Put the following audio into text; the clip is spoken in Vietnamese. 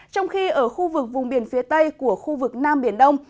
trong khi ở khu vực vùng biển phía tây của khu vực nam biển đông